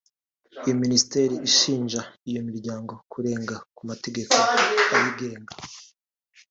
Iyo Minisiteri ishinja iyo miryango kurenga ku mategeko ayigenga